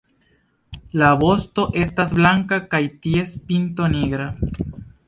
La vosto estas blankaj kaj ties pinto nigra.